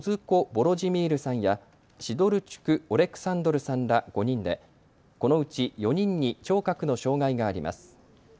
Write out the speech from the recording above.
・ヴォロジミールさんやシドルチュク・オレクサンドルさんら５人でこのうち４人に聴覚の障害があります。